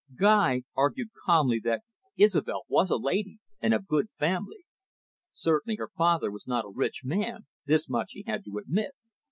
Guy argued calmly that Isobel was a lady, and of good family. Certainly her father was not a rich man, this much he had to admit.